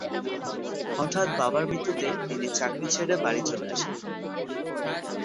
হঠাৎ বাবার মৃত্যুতে তিনি চাকরি ছেড়ে বাড়ি চলে আসেন।